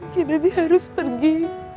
kinanti harus pergi